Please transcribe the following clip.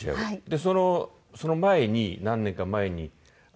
でその前に何年か前に。